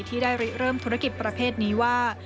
ที่ได้ริเริ่มธุรกิจประเภทนี้ว่า